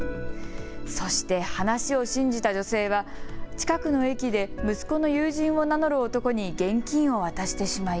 そして話を信じた女性は近くの駅で息子の友人を名乗る男に現金を渡してしまい。